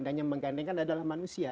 dan yang digandengkan adalah manusia